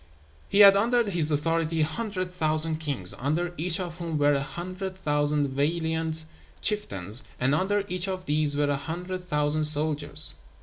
He had under his authority a hundred thousand kings, under each of whom were a hundred thousand valiant chieftains, and under each of these were a hundred thousand soldiers.